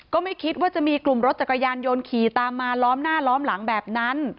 ก็ไม่คิดว่าจะมีกลุ่มรถจักรยานยนต์ขี่ตามมาล้อมหน้าล้อมหลังแบบนั้น